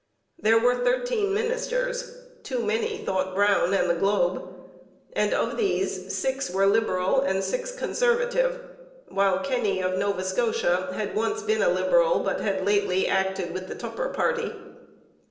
There were thirteen ministers too many, thought Brown and the Globe and of these six were Liberal and six Conservative, while Kenny of Nova Scotia had once been a Liberal but had lately acted with the Tupper party.